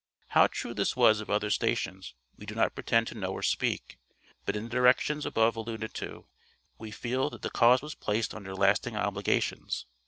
How true this was of other stations, we do not pretend to know or speak, but in the directions above alluded to, we feel that the cause was placed under lasting obligations.